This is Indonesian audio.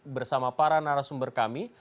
bersama para narasumber kami